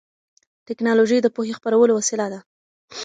ټیکنالوژي د پوهې خپرولو وسیله ده.